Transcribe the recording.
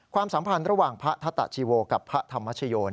ความสัมพันธ์ระหว่างพระทัตตะชีโวกับพระธรรมชโย